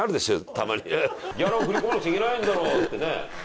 たまにギャラを振り込まなくちゃいけないんだろってね